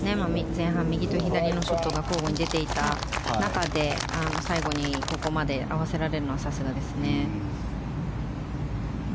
前半、右と左のショットが交互に出ていた中で最後にここまで合わせられるのはさすがですね。